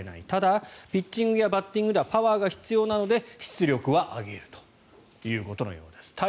ただ、ピッチングやバッティングではパワーが必要なので出力は上げるということのようです。